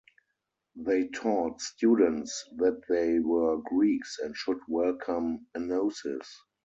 They taught students that they were Greeks and should welcome "enosis".